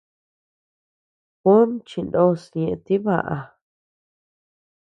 Juóm chinos ñeʼe tibaʼa.